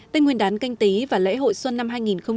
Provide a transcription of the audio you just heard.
tên nguyên đán canh tí và lễ hội xuân năm hai nghìn hai mươi